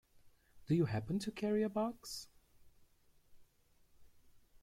Do you happen to carry a box?